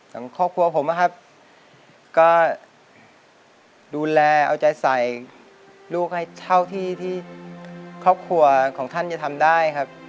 ของครอบครัวผมนะครับก็ดูแลเอาใจใส่ลูกให้เท่าที่ที่ครอบครัวของท่านจะทำได้ครับ